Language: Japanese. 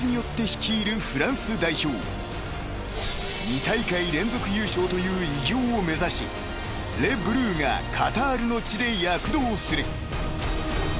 ［二大会連続優勝という偉業を目指しレブルーがカタールの地で躍動する］